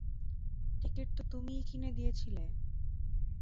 Ticket তো তুমিই কিনে দিয়েছিলে।